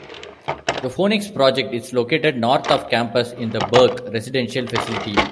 The Phoenix Project is located north of campus in The Berk residential facility.